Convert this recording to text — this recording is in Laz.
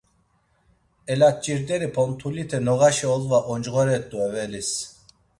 Elaç̌irderi pontulite noğaşa olva oncğore t̆u evelis.